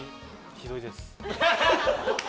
ひどいです。